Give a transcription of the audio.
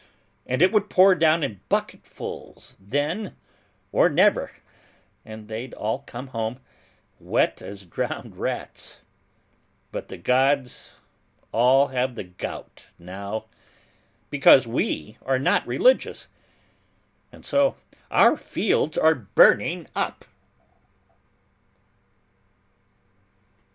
And it would pour down in bucketfuls then or never, and they'd all come home, wet as drowned rats. But the gods all have the gout now, because we are not religious; and so our fields are burning up!"